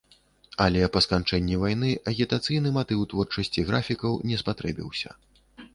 Але па сканчэнні вайны агітацыйны матыў творчасці графікаў не спатрэбіўся.